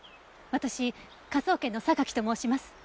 私科捜研の榊と申します。